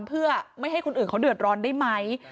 เพื่อไม่ให้คนอื่นเขาเดือดร้อนได้ไหม